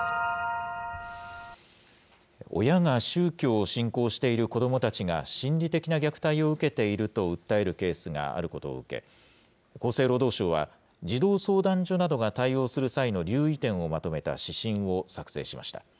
親が宗教を信仰している子どもたちが心理的な虐待を受けていると訴えるケースがあることを受け、厚生労働省は、児童相談所などが対応する際の留意点をまとめた指針を作成しました。